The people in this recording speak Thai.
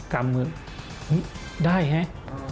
กลับมือได้ไง